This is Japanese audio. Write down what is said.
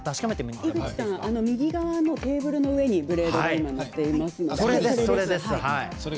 井口さん右側のテーブルの上にブレードが乗っていますので。